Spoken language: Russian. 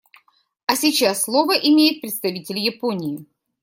А сейчас слово имеет представитель Японии.